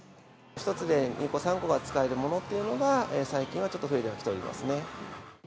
１つで２個３個は使えるものっていうのが、最近はちょっと増えてはきておりますね。